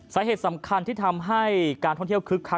สาเหตุสำคัญที่ทำให้การท่องเที่ยวคึกคัก